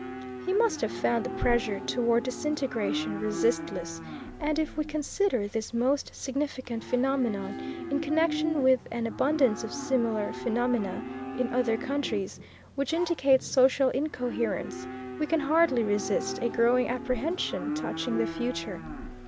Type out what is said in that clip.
He must have found the pressure toward disintegration resistless, and if we consider this most significant phenomenon, in connection with an abundance of similar phenomena, in other countries, which indicate social incoherence, we can hardly resist a growing apprehension touching the future.